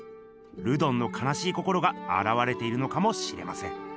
ルドンのかなしい心があらわれているのかもしれません。